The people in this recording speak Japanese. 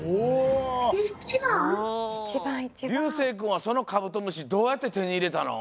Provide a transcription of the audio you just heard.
りゅうせいくんはそのカブトムシどうやって手にいれたの？